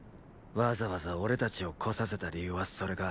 わざわざ俺たちを来させた理由はそれか。